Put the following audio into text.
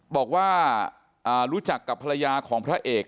บอกว่ารู้จักกับภรรยาของพระเอก